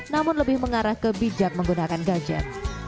namun lebih mengarah ke bijak menggunakan gadget